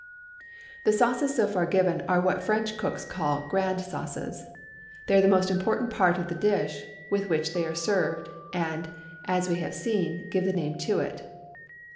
The sauces so far given are what French cooks call "grand sauces." They are the most important part of the dish with which they are served, and, as we have seen, give the name to it.